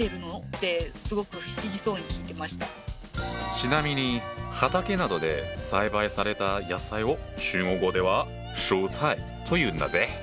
ちなみに畑などで栽培された野菜を中国語では「蔬菜」というんだぜ。